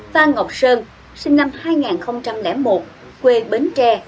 phan ngọc sơn sinh năm hai nghìn một quê bến tre